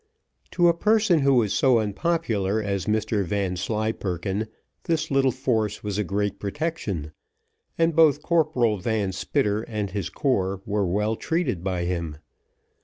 To a person who was so unpopular as Mr Vanslyperken, this little force was a great protection, and both Corporal Van Spitter and his corps were well treated by him.